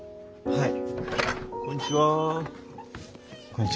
はい。